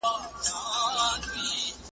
شمله جګه وي ور پاته د وختونو به غلام وي ,